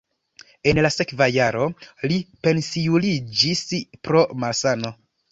En la sekva jaro li pensiuliĝis pro malsano.